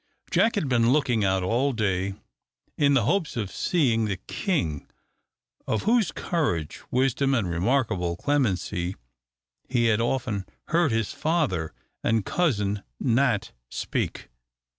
Jack had been looking out all the day in the hopes of seeing the king, of whose courage, wisdom, and remarkable clemency, he had often heard his father and cousin Nat speak.